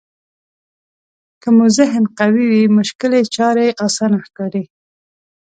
که مو ذهن قوي وي مشکلې چارې اسانه ښکاري.